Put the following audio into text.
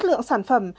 chất lượng sản phẩm